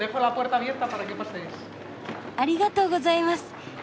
ありがとうございます。